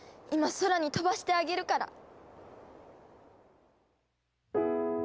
今空に飛ばしてあげるから。